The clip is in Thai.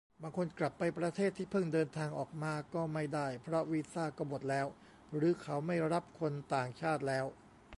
บางคนกลับไปประเทศที่เพิ่งเดินทางออกมาก็ไม่ได้ เพราะวีซ่าก็หมดแล้วหรือเขาไม่รับคนต่างชาติแล้ว